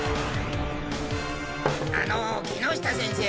あの木下先生。